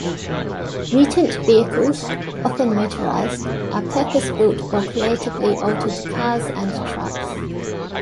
Mutant Vehicles, often motorized, are purpose-built or creatively altered cars and trucks.